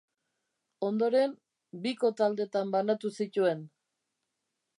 Ondoren, biko taldetan banatu zituen.